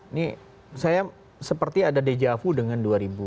ini saya seperti ada dejavu dengan dua ribu dua